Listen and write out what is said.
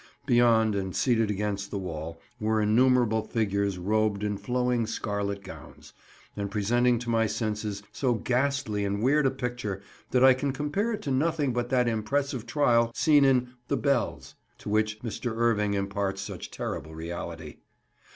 Beyond, and seated against the wall, were innumerable figures robed in flowing scarlet gowns, and presenting to my senses so ghastly and weird a picture that I can compare it to nothing but that impressive trial scene in "The Bells," to which Mr. Irving imparts such terrible reality.